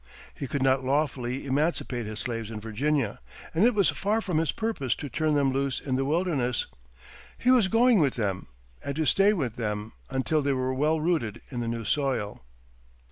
He could not lawfully emancipate his slaves in Virginia, and it was far from his purpose to turn them loose in the wilderness. He was going with them, and to stay with them until they were well rooted in the new soil.